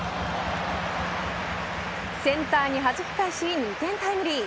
センターにはじき返し２点タイムリー。